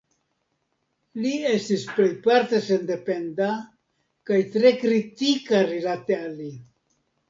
Li estis plejparte sendependa kaj tre kritika rilate al li.